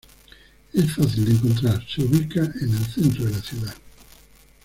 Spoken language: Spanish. Es fácil de encontrar se ubica en el centro de la ciudad.